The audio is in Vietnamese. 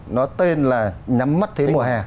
nó tên là nhắm mắt thế mùa hè